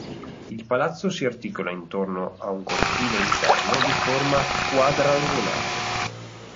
Il palazzo si articola intorno a un cortile interno di forma quadrangolare.